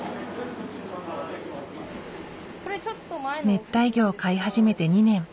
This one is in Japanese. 熱帯魚を飼い始めて２年。